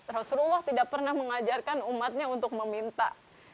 rasulullah tidak pernah mengajarkan umatnya untuk meminta